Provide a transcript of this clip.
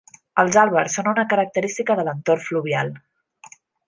Els àlbers són una característica de l'entorn fluvial.